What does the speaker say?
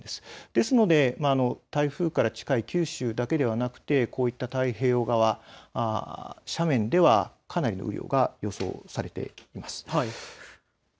ですので、台風から近い九州だけではなくて太平洋側、斜面では、かなりの雨量が予想されています。